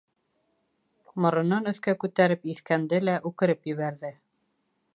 Моронон өҫкә күтәреп еҫкәнде лә, үкереп ебәрҙе.